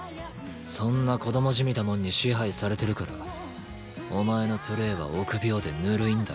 そんな子供じみたもんに支配されてるからお前のプレーは臆病でぬるいんだろ。